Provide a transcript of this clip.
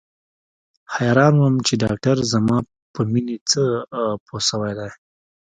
حيران وم چې ډاکتر زما په مينې څه پوه سوى دى.